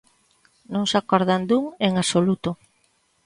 Non se acordan dun en absoluto.